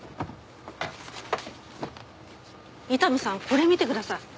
伊丹さんこれ見てください。